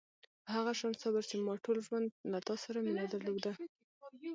په هغه شان صبر چې ما ټول ژوند له تا سره مینه درلوده.